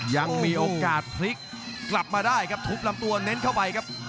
ยังมีโอกาสพลิกกลับมาได้ครับทุบลำตัวเน้นเข้าไปครับ